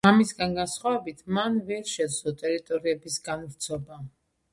მამისგან განსხვავებით მან ვერ შეძლო ტერიტორიების განვრცობა.